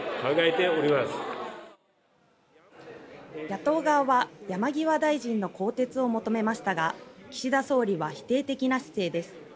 野党側は山際大臣の更迭を求めましたが岸田総理は否定的な姿勢です。